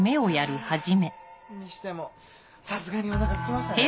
あぁにしてもさすがにお腹すきましたね。